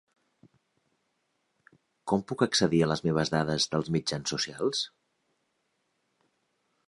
Com puc accedir a les meves dades dels mitjans socials?